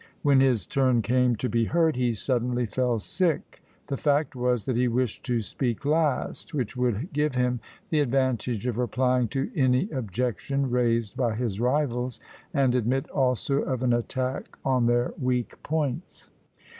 When his turn came to be heard, he suddenly fell sick; the fact was, that he wished to speak last, which would give him the advantage of replying to any objection raised by his rivals, and admit also of an attack on their weak points.